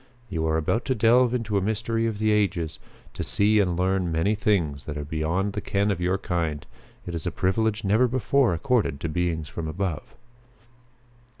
You are about to delve into a mystery of the ages; to see and learn many things that are beyond the ken of your kind. It is a privilege never before accorded to beings from above."